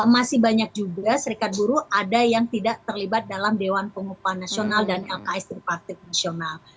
masih banyak juga serikat buruh ada yang tidak terlibat dalam dewan pengupahan nasional dan lks tripartit nasional